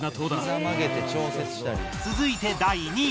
続いて第２位。